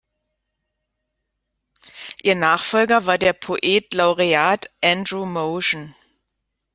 Ihr Nachfolger war der Poet Laureate Andrew Motion.